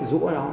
ở giữa đó